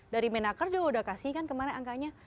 dari menaker juga udah kasih kan kemarin angkanya